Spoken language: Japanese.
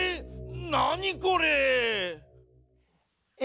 なにこれ⁉え